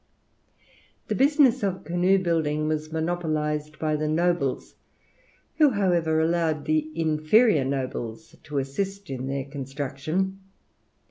The business of canoe building was monopolized by the nobles; who, however, allowed the inferior nobles to assist in their construction.